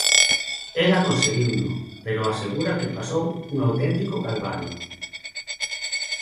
Ela conseguiuno, pero asegura que pasou un auténtico calvario.